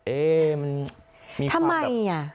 เอ๊มันมีความแบบทำไมอะ